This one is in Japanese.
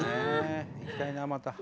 行きたいなあまた。